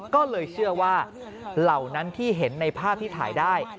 ก็เลยเชื่อว่าเหล่านั้นที่เห็นในภาพที่ถ่ายได้